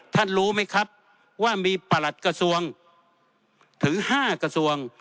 รู้ไหมครับว่ามีประหลัดกระทรวงถึง๕กระทรวง